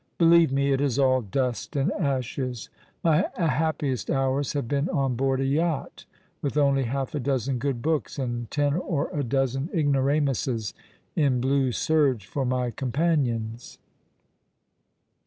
'' Believe me, it is all dust and ashes. My happiest hours have been on board a yacht, with only half a dozen good books, and ten or a dozen ignoramuses in blue serge for my companions."